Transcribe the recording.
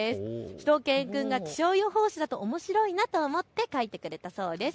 しゅと犬くんが気象予報士だとおもしろいなと思って描いてくれたそうです。